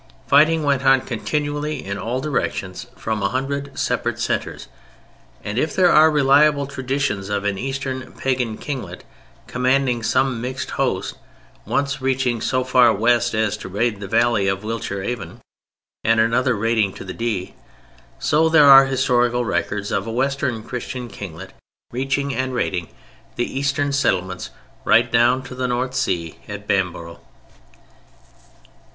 Fighting went on continually in all directions, from a hundred separate centres, and if there are reliable traditions of an Eastern Pagan kinglet commanding some mixed host once reaching so far west as to raid the valley of the Wiltshire Avon and another raiding to the Dee, so there are historical records of a Western Christian kinglet reaching and raiding the Eastern settlements right down to the North Sea at Bamborough.